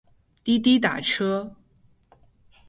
滴滴打车